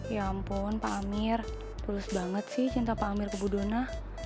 ya ampun pak amir pulus banget sih cinta pak amir ke budona